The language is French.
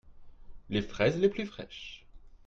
Les fraises les plus fraîches.